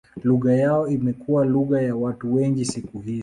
Lugha yao imekuwa lugha ya watu wengi siku hizi.